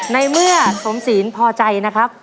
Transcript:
ในเมื่อสมศีลพอใจนะครับ